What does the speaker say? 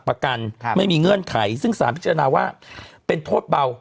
ไม่มีเงื่อนไขซึ่งสารพิจารณาว่าเป็นโทษเบา